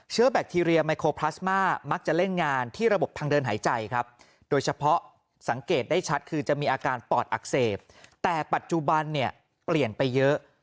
แบคทีเรียไมโครพลาสมามักจะเล่นงานที่ระบบทางเดินหายใจครับโดยเฉพาะสังเกตได้ชัดคือจะมีอาการปอดอักเสบแต่ปัจจุบันเนี่ยเปลี่ยนไปเยอะ